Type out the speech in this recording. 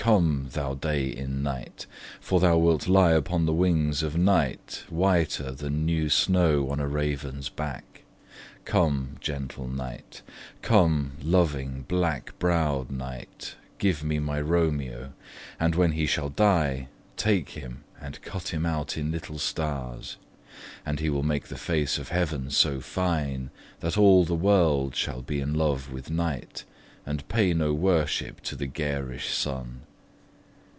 come, thou day in night; For thou wilt lie upon the wings of night Whiter than new snow on a raven's back. Come, gentle night; come, loving, black brow'd night, Give me my Romeo; and when he shall die, Take him and cut him out in little stars, And he will make the face of heaven so fine, That all the world shall be in love with night, And pay no worship to the garish sun.